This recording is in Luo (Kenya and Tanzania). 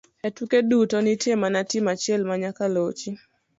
E tuke duto, nitie mana tim achiel ma nyaka lochi